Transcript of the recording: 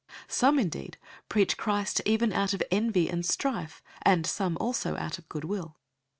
001:015 Some indeed preach Christ even out of envy and strife, and some also out of good will.